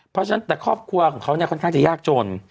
เพราะฉะนั้นแต่ครอบครัวของเขาเนี่ยค่อนข้างจะยากจน